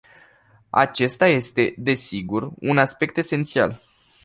Acesta este, desigur, un aspect esențial.